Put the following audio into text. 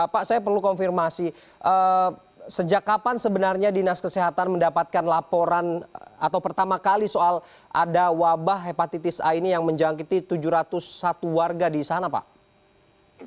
pak saya perlu konfirmasi sejak kapan sebenarnya dinas kesehatan mendapatkan laporan atau pertama kali soal ada wabah hepatitis a ini yang menjangkiti tujuh ratus satu warga di sana pak